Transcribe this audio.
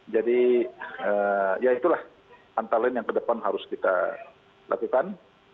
ya itulah antara lain yang ke depan harus kita lakukan